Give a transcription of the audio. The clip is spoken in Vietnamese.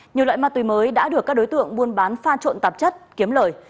nhiều loại ma túy mới đã được các đối tượng buôn bán pha trộn tạp chất kiếm lời